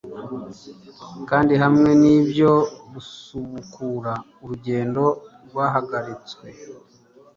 Kandi hamwe nibyo gusubukura urugendo rwahagaritswe